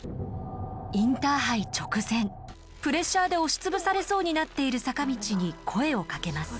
インターハイ直前プレッシャーで押し潰されそうになっている坂道に声をかけます。